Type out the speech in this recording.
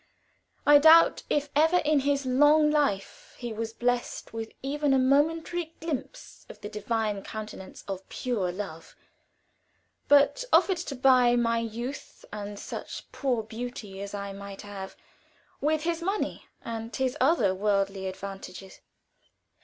I doubt if ever in his long life he was blessed with even a momentary glimpse of the divine countenance of pure Love), but offered to buy my youth, and such poor beauty as I might have, with his money and his other worldly advantages.